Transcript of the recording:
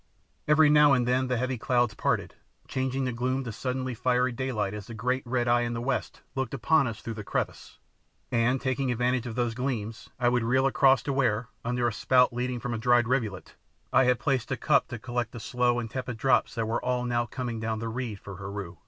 Every now and then the heavy clouds parted, changing the gloom to sudden fiery daylight as the great red eye in the west looked upon us through the crevice, and, taking advantage of those gleams, I would reel across to where, under a spout leading from a dried rivulet, I had placed a cup to collect the slow and tepid drops that were all now coming down the reed for Heru.